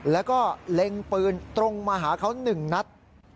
แล้วก็เล็งปืนตรงมาหาเขา๑นัด